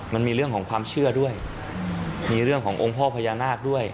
มันมีเรื่องของความเชื่อด้วยมีเรื่องขององค์พ่อพญานาคด้วย